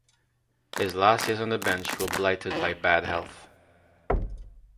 His last years on the bench were blighted by bad health.